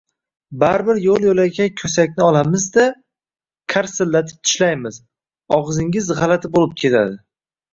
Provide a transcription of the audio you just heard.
Baribir yoʻl-yoʻlakay koʻsakni olamiz-da, karsillatib tishlaymiz – ogʻzingiz gʻalati boʻlib ketadi.